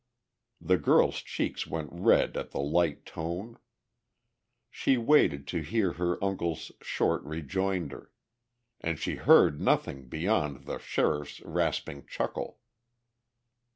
The girl's cheeks went red at the light tone. She waited to hear her uncle's short rejoinder. And she heard nothing beyond the sheriff's rasping chuckle.